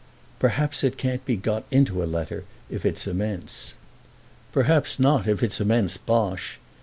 "Perhaps it can't be got into a letter if it's 'immense.'" "Perhaps not if it's immense bosh.